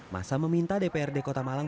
masa meminta dprd kota malang